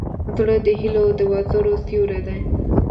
زړه د هيلو د وزرو سیوری دی.